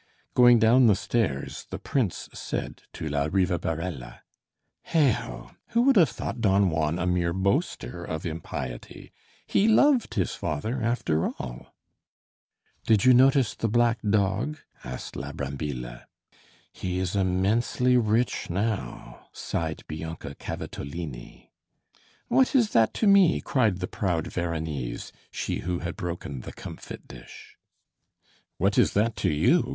Going down the stairs the prince said to la Rivabarella: "Heigho! who would have thought Don Juan a mere boaster of impiety? He loved his father, after all!" "Did you notice the black dog?" asked la Brambilla. "He is immensely rich now," sighed Bianca Cavatolini. "What is that to me?" cried the proud Veronese, she who had broken the comfit dish. "What is that to you?"